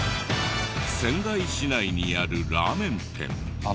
仙台市内にあるラーメン店。